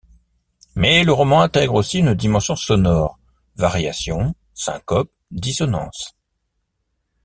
Mais le roman intègre aussi une dimension sonore - variations, syncopes, dissonances.